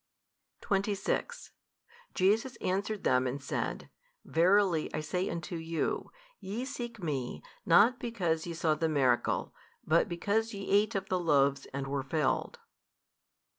|343 26 Jesus answered them and said, Verily, I say unto you, ye seek Me, not because ye saw the miracle, but because ye ate of the loaves and were filled.